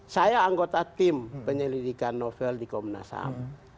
saya anggota tim penyelidikan novel di komnasam